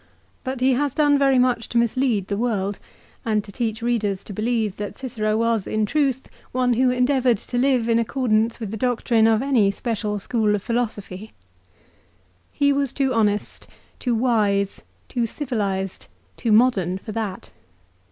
But he has done very much to mislead the world, and to teach readers to believe that Cicero was in truth one who en deavoured to live in accordance with the doctrine of any special school of philosophy. He was too honest, too wise, too civilised, too modern for that.